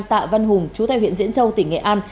tạ văn hùng chú tại huyện diễn châu tỉnh nghệ an